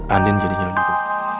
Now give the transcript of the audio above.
andin jadinya ngu